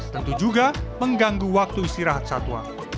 tentu juga mengganggu waktu istirahat satwa